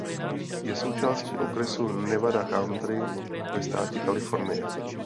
Je součástí okresu Nevada Country ve státě Kalifornie.